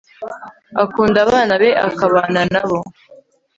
akunda abana be akabana nab o